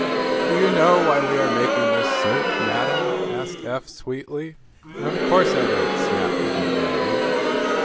"Do you know why we are making this search, madam?" asked Eph, sweetly. "Of course I don't," snapped the good lady.